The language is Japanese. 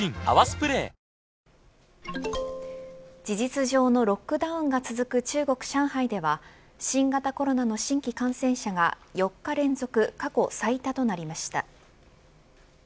事実上のロックダウンが続く中国、上海では新型コロナの新規感染者が４日連続過去最多となりました。